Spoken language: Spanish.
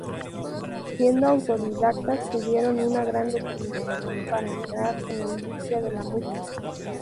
Siendo autodidactas tuvieron una gran determinación para entrar en la industria de la música.